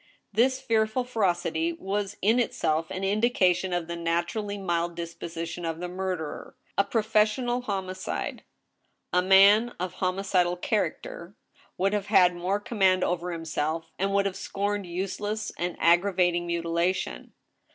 This fearful ferocity was in itself an indication of the naturally mild disposition of the murderer. A professional homicide, a man THE TRIAt^ 203 of homicidal character, would have had more command ovier him self, and would have scorned useless and aggravating mutila , tlon.